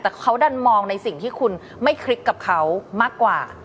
แต่เขาดันมองในสิ่งที่คุณไม่คลิกกับเขามากกว่า